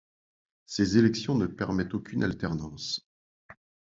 Ces élections ne permettent aucune alternance.